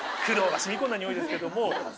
苦労が染み込んだニオイですけども。